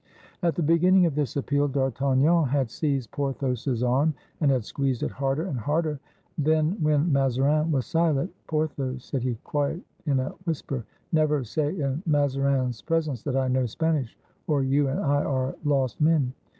At the beginning of this appeal, D'Artagnan had seized Porthos's arm, and had squeezed it harder and harder; then when Mazarin was silent, "Porthos," said he, quite in a whisper, "never say in Mazarin's pres ence that I know Spanish, or you and I are lost men."